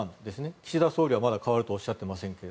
岸田総理はまだ変わるとはおっしゃってませんが。